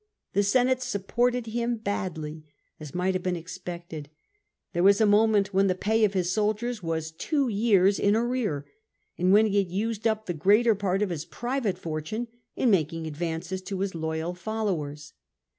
The Senate supported him badly, as might have been expected: there was a moment when the pay of his soldiers was two years in arrear, and when he had used up the greater part of his private fortune in making advances to his loyal followers.